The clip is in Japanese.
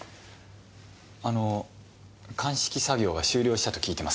あの鑑識作業は終了したと聞いてますが。